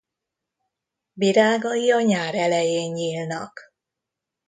Virágai a nyár elején nyílnak.